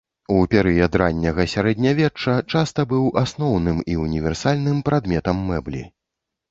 У перыяд ранняга сярэднявечча часта быў асноўным і універсальным прадметам мэблі.